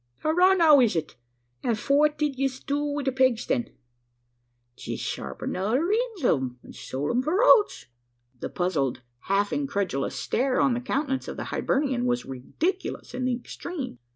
"Arrah now, is it? An' fwhat did yez do wid the pegs then?" "Jest sharpened the other eends o' 'em, an' sold 'em for oats!" The puzzled, half incredulous stare, on the countenance of the Hibernian, was ridiculous in the extreme.